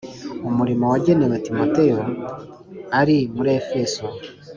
Umurimo wagenewe Timoteyo, ari muri Efeso